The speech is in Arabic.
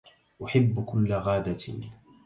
أحب كل غادة